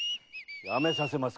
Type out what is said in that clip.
やめさせますか？